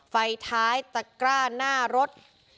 ไฟท้ายตะกร้าหน้ารถ